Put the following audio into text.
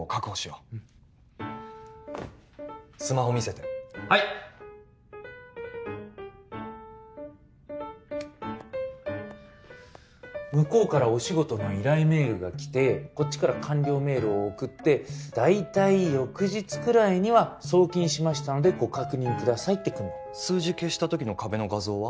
うんスマホ見せてはい向こうからお仕事の依頼メールが来てこっちから完了メールを送って大体翌日くらいには「送金しましたのでご確認ください」って来んの数字消した時の壁の画像は？